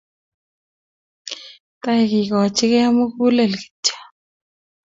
Tai kekoch kei mugulel kityo